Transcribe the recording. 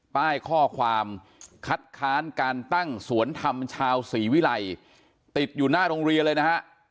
ป้ายข้อความคัดค้านการตั้งสวนธรรมชาวศรีวิรัยติดอยู่หน้าโรงเรียนเลยนะฮะ